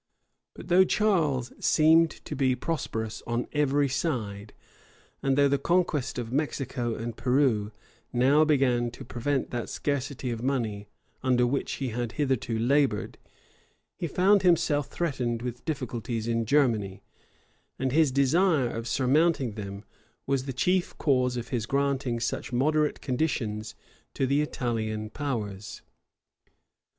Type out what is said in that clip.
But though Charles seemed to be prosperous on every side, and though the conquest of Mexico and Peru now began to prevent that scarcity of money under which he had hitherto labored, he found himself threatened with difficulties in Germany; and his desire of surmounting them was the chief cause of his granting such moderate conditions to the Italian powers.